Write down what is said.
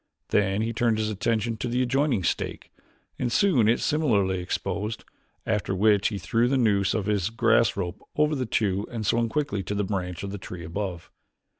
Then he turned his attention to an adjoining stake and soon had it similarly exposed, after which he threw the noose of his grass rope over the two and swung quickly to the branch of the tree above.